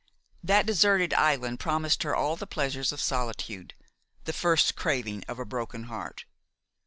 That deserted island promised her all the pleasures of solitude, the first craving of a broken heart.